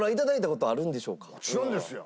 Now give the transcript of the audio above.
もちろんですよ。